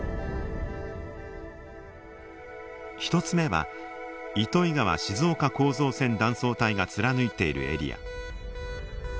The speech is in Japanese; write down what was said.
１つ目は糸魚川−静岡構造線断層帯が貫いているエリア。